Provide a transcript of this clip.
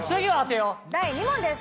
第２問です。